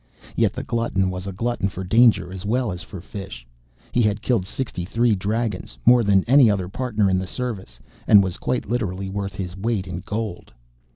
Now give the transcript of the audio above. Yet the glutton was a glutton for danger as well as for fish. He had killed sixty three Dragons, more than any other Partner in the service, and was quite literally worth his weight in gold.